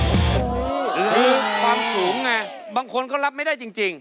คือความสูงไงบางคนก็รับไม่ได้จริง